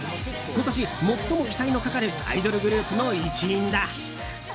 今年最も期待のかかるアイドルグループの一員だ。